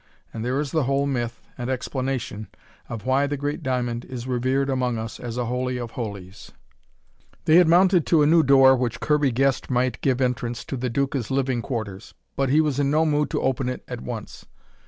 And there is the whole myth and explanation of why the great diamond is revered among us as a holy of holies." They had mounted to a new door which Kirby guessed might give entrance to the Duca's living quarters. But he was in no mood to open it at once.